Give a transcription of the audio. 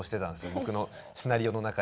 僕のシナリオの中には。